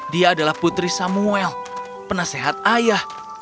dia adalah putri samuel penasehat ayah